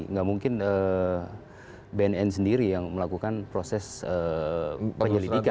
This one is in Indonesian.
nggak mungkin bnn sendiri yang melakukan proses penyelidikan